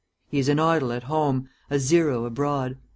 He is an idol at home, a zero abroad.